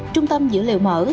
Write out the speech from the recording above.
trung tâm dữ liệu mở